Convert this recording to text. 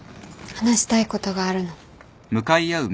話したいことがあるの。